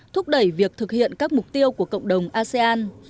thúc đẩy việc thực hiện các mục tiêu của cộng đồng asean